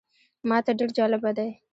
ماته ډېر جالبه دی.